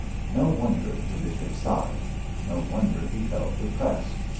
No wonder the bishop sighed; no wonder he felt depressed.